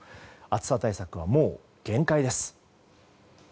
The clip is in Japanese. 暑さ対策はもう限界です。